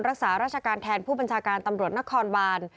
รักษาราชการแทนผู้บัญชาการตำรวจนครบาน